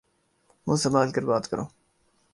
منہ سنمبھال کر بات کرو۔